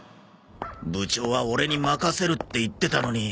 部長はオレに任せるって言ってたのに。